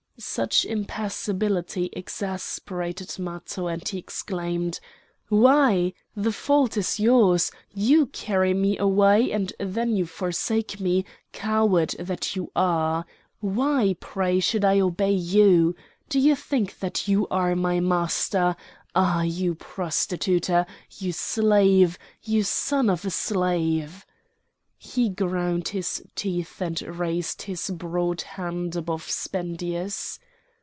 Such impassibility exasperated Matho and he exclaimed: "Why! the fault is yours! You carry me away, and then you forsake me, coward that you are! Why, pray, should I obey you? Do you think that you are my master? Ah! you prostituter, you slave, you son of a slave!" He ground his teeth and raised his broad hand above Spendius.